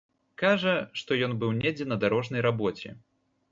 Кажа, што ён быў недзе на дарожнай рабоце.